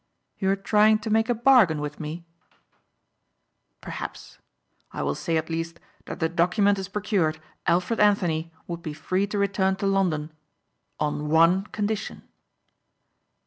"You are trying to make a bargain with me?" "Perhaps. I will say at least that if the document is procured Alfred Anthony would be free to return to London on one condition."